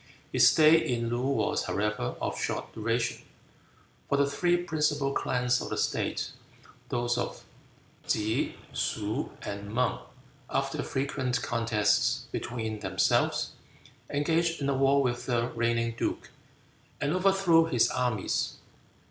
His stay in Loo was, however, of short duration, for the three principal clans of the state, those of Ke, Shuh, and Mang, after frequent contests between themselves, engaged in a war with the reigning duke, and overthrew his armies.